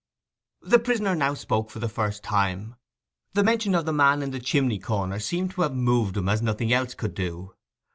The prisoner now spoke for the first time. The mention of the man in the chimney corner seemed to have moved him as nothing else could do.